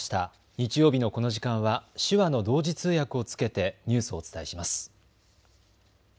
日曜日のこの時間は手話の同時通訳をつけてニュースをお伝えします。